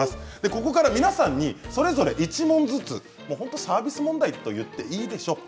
ここから皆さんにそれぞれ１問ずつ本当にサービス問題と言っていいでしょう。